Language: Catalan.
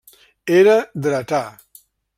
Era dretà.